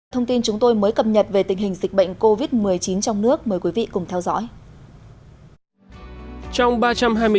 thông tin chúng tôi mới cập nhật về tình hình dịch bệnh covid một mươi chín trong nước mời quý vị cùng theo dõi